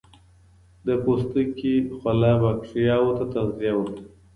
د پوستکي خوله باکتریاوو ته تغذیه ورکوي.